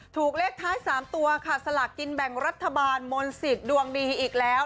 ถูกเลขท้าย๓ตัวค่ะสลากกินแบ่งรัฐบาลมนต์สิทธิ์ดวงดีอีกแล้ว